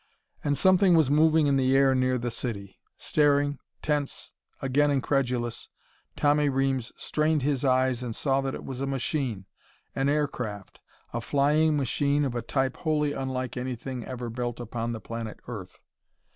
And something was moving in the air near the city. Staring, tense, again incredulous, Tommy Reames strained his eyes and saw that it was a machine. An air craft; a flying machine of a type wholly unlike anything ever built upon the planet Earth.